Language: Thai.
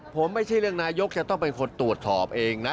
ผมไม่ใช่เรื่องนายกจะต้องเป็นคนตรวจสอบเองนะ